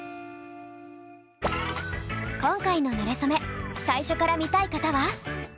今回のなれそめ最初から見たい方は。